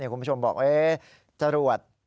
คุณผู้ชมบอกจรวด